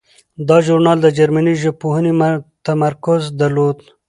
دا ژورنال د جرمني ژبپوهنې تمرکز درلود.